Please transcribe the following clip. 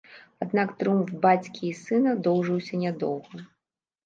Аднак трыумф бацькі і сына доўжыўся нядоўга.